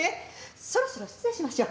そろそろ失礼しましょ。